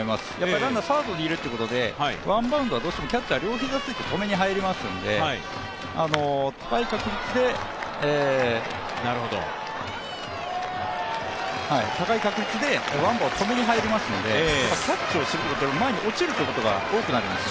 ランナーがサードにいるということで、ワンバウンドはどうしてもキャッチャー膝をついて止めに入りますんで高い確率でワンバンを止めに入りますのでキャッチをするとなると前に落ちることが多くなる。